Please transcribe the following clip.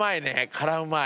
辛うまい。